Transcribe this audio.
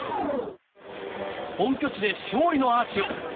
本拠地で勝利のアーチを。